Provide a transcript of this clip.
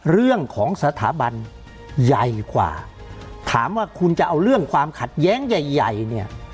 เรื่องของสถาบันใหญ่กว่าถามว่าคุณจะเอาเรื่องความขัดแย้งใหญ่ใหญ่เนี่ย